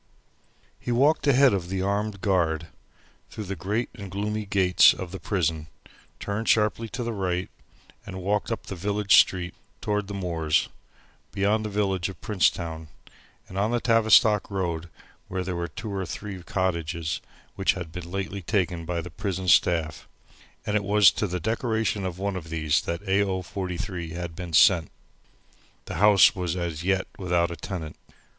He walked ahead of the armed guard, through the great and gloomy gates of the prison, turned sharply to the right, and walked up the village street toward the moors, beyond the village of Princetown, and on the Tavistock Road where were two or three cottages which had been lately taken by the prison staff; and it was to the decoration of one of these that A. O. 43 had been sent. The house was as yet without a tenant.